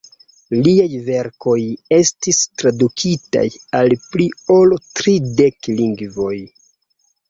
Liaj verkoj estis tradukitaj al pli ol tridek lingvoj.